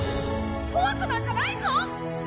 怖くなんかないぞ！